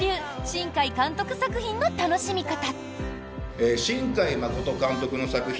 新海監督作品の楽しみ方。